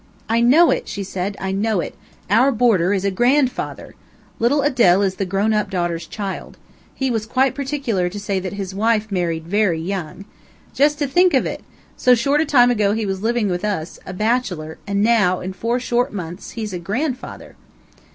"I know it!" she said, "I know it. Our boarder is a GRANDFATHER! Little Adele is the grown up daughter's child. He was quite particular to say that his wife married VERY young. Just to think of it! So short a time ago, he was living with us a bachelor and now, in four short months, he is a grandfather!"